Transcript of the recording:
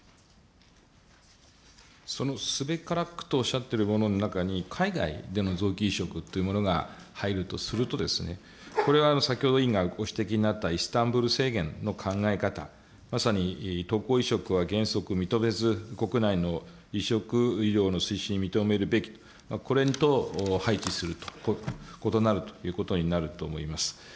そのすべからくとおっしゃっているものの中に、海外での臓器移植というものが入るとするとですね、これは先ほど委員がご指摘になったイスタンブール宣言の考え方、まさに渡航移植は原則認めず、国内の移植医療の推進を認めるべき、これに異なるということになると思います。